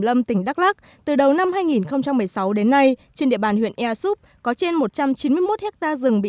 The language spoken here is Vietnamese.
lâm tỉnh đắk lắc từ đầu năm hai nghìn một mươi sáu đến nay trên địa bàn huyện airsub có trên một trăm chín mươi một hecta rừng bị